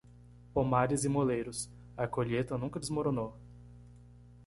Pomares e moleiros, a colheita nunca desmoronou.